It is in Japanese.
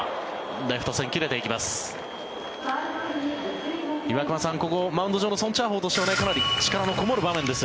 レフト線、切れていきます。